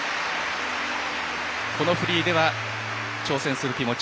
このフリーでは挑戦する気持ち。